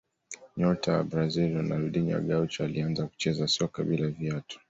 nyota wa brazil ronaldinho gaucho alianza kucheza soka bila viatu